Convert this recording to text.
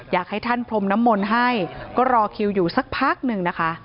อยากให้ท่านพรมน้ำมนต์ให้ก็รอคิวอยู่สักพักหนึ่งนะคะ